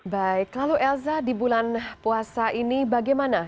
baik lalu elza di bulan puasa ini bagaimana